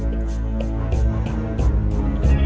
ya pak juna